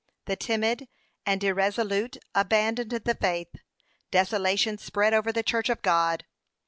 The timid and irresolute abandoned the faith, desolation spread over the church of God.